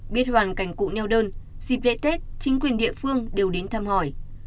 biết hoàn cảnh cụ neo đơn dịp lễ tết chính quyền địa phương đều đến thăm hỏi